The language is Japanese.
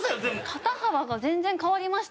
肩幅が全然変わりましたよね。